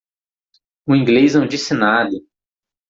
O inglês não disse nada.